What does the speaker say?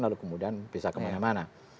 lalu kemudian bisa kemana mana